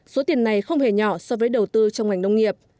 số tiền này không hề nhỏ so với đầu tư trong ngành nông nghiệp